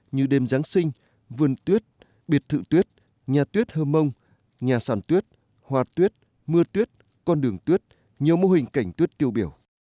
như đêm giáng sinh vườn tuyết biệt thự tuyết nhà tuyết hơm mông nhà sàn tuyết hòa tuyết mưa tuyết con đường tuyết nhiều mô hình cảnh tuyết tiêu biểu